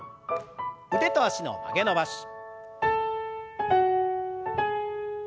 腕と脚の曲げ伸ばし。